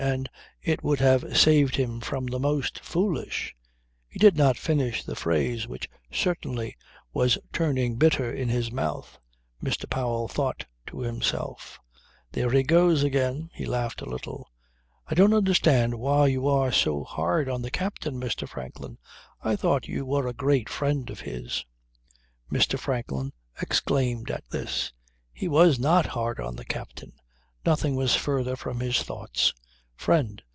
And it would have saved him from the most foolish " He did not finish the phrase which certainly was turning bitter in his mouth. Mr. Powell thought to himself: "There he goes again." He laughed a little. "I don't understand why you are so hard on the captain, Mr. Franklin. I thought you were a great friend of his." Mr. Franklin exclaimed at this. He was not hard on the captain. Nothing was further from his thoughts. Friend!